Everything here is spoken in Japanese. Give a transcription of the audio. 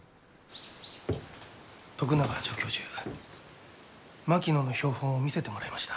徳永助教授槙野の標本を見せてもらいました。